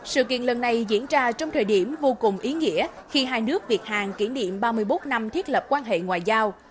sự kiện lần này diễn ra trong thời điểm vô cùng ý nghĩa khi hai nước việt hàn kỷ niệm ba mươi bốn năm thiết lập quan hệ ngoại giao